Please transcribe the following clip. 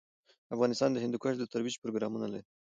افغانستان د هندوکش د ترویج پروګرامونه لري.